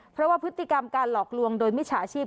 เพราะว่าพฤติกรรมการหลอกลวงโดยมิจฉาชีพ